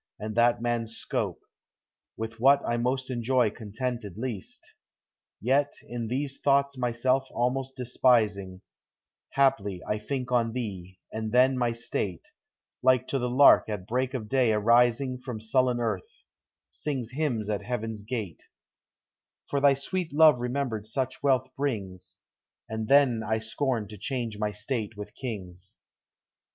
and that man's scope, | With what I most enjoy contented least; I Yet in these thoughts myself almost despising, Haply I think ou thee, and then my state (Like to the lark at break of day arising From sullen earth) sings hymns at heaven's gate, i For thy sweet love remembered such wealth I brings. That then I scorn to change my state with kings.